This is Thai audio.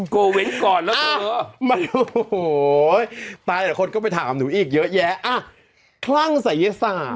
โกเว้นก่อนแล้วเธอ